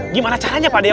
gimana caranya pade ya